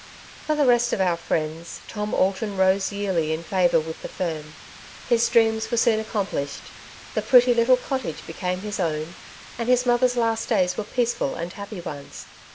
For the rest of our friends, Tom Alton rose yearly in favour with the firm. His dreams were soon \ Saved as by Fire, 229 accomplislied. The pretty little cottage became Lis own, and his mother^s last days were peaceful and happy ones.